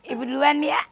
ibu duluan ya